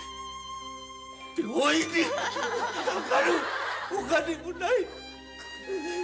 病院にかかるお金もない。